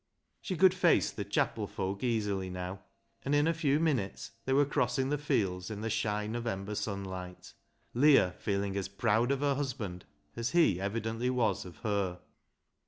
She could face the chapel folk easily now ; and in a few minutes they were crossing the fields in the shy November sunlight, Leah feeling as proud of her husband as he evidently was of her.